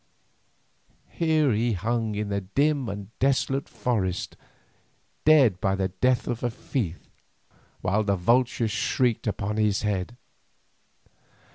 Here he hung in the dim and desolate forest, dead by the death of a thief, while the vulture shrieked upon his head.